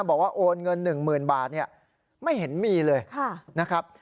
บอกว่าโอนเงิน๑๐๐๐บาทไม่เห็นมีเลยนะครับ